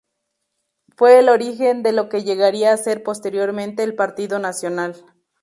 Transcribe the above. Fue el origen de lo que llegaría a ser posteriormente el Partido Nacional.